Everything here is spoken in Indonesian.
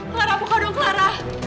clara buka dong clara